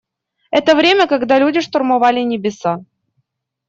Это время, когда люди штурмовали небеса.